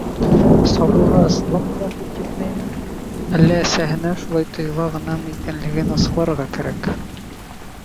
Сабыйға ысынлап та һөт етмәйме, әллә әсәһенә шулай тойола ғынамы икәнлеген асыҡларға кәрәк.